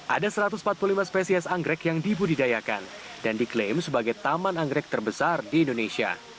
ada satu ratus empat puluh lima spesies anggrek yang dibudidayakan dan diklaim sebagai taman anggrek terbesar di indonesia